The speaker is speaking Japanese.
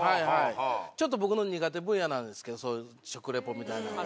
ちょっと僕の苦手分野なんですけど食リポみたいなのは。